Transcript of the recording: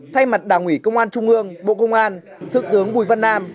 thay mặt đảng ủy công an trung ương bộ công an thượng tướng bùi văn nam